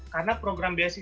karena program beasiswa ini